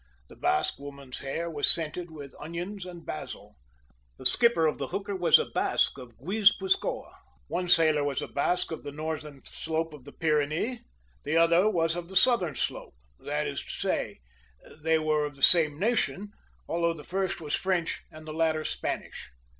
The Basque woman's hair was scented with onions and basil. The skipper of the hooker was a Basque of Guipuzcoa. One sailor was a Basque of the northern slope of the Pyrenees, the other was of the southern slope that is to say, they were of the same nation, although the first was French and the latter Spanish.